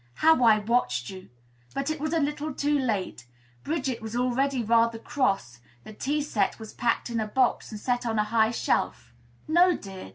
How I watched you! But it was a little late. Bridget was already rather cross; the tea set was packed in a box, and up on a high shelf. "No, dear.